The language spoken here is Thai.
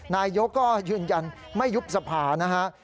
นายกก็ยืนยันไม่ยุบสภานะฮะ